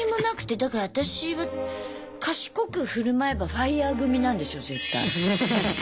だから私は賢く振る舞えばＦＩＲＥ組なんですよ絶対。